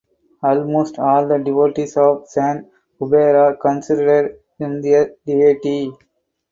Almost all the devotees of Sant Kubera considered him their deity.